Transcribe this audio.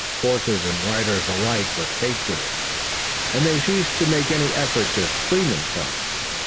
Horses and riders alike were caked with it, and they ceased to make any effort to clean themselves.